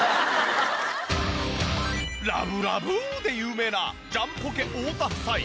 ラブラブで有名なジャンポケ太田夫妻。